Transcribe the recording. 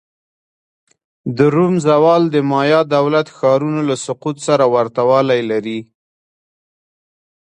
د روم زوال د مایا دولت ښارونو له سقوط سره ورته والی لري.